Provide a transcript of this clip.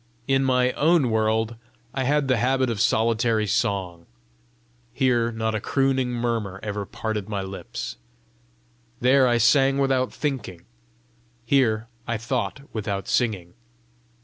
In my own world I had the habit of solitary song; here not a crooning murmur ever parted my lips! There I sang without thinking; here I thought without singing!